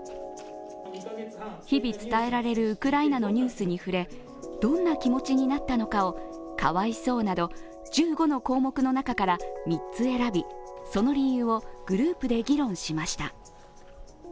日々伝えられるウクライナのニュースに触れ、どんな気持ちになったのかを「かわいそう」など１５の項目から３つ選び、その理由をグループで議論しました。